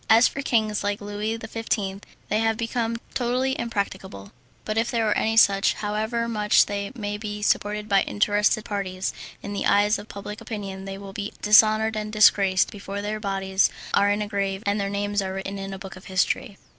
As for kings like Louis XV., they have become totally impracticable; but if there are any such, however much they may be supported by interested parties, in the eyes of public opinion they will be dishonoured and disgraced before their bodies are in a grave and their names are written in the book of history.